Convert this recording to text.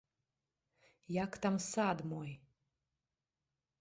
Як там сад мой?